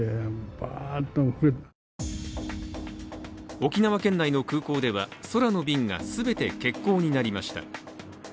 沖縄県内の空港では空の便が全て欠航になりました。